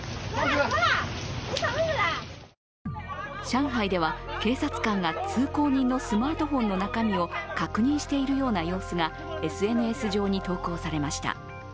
上海では、警察官が通行人のスマートフォンの中身を確認しているような様子がＳＮＳ上に投稿されました。